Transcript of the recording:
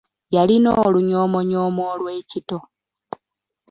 Yalina olunyoomonyoomo olw'ekito.